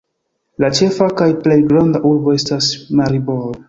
La ĉefa kaj plej granda urbo estas Maribor.